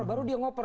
baru dia ngoper